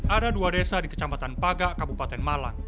ada dua desa di kecamatan pagak kabupaten malang